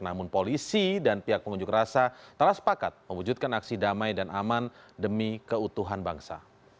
namun polisi dan pihak pengunjuk rasa telah sepakat mewujudkan aksi damai dan aman demi keutuhan bangsa